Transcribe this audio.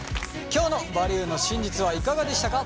今日の「バリューの真実」はいかがでしたか？